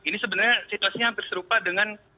ini sebenarnya situasinya hampir serupa dengan